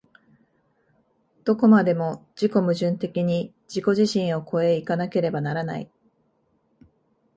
どこまでも自己矛盾的に自己自身を越え行かなければならない。